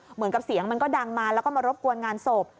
เหมือนกับเสียงมันก็ดังมาแล้วก็มารบกวนงานศพ